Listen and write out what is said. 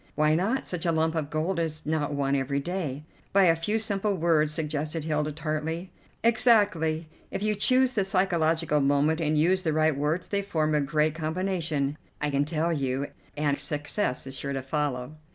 "Why not? Such a lump of gold is not won every day." "By a few simple words," suggested Hilda tartly. "Exactly. If you choose the psychological moment and use the right words they form a great combination, I can tell you, and success is sure to follow."